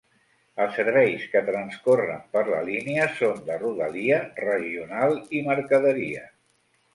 Els serveis que transcorren per la línia són de rodalia, regional i mercaderia.